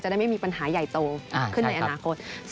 ได้ไม่มีปัญหาใหญ่โตขึ้นในอนาคต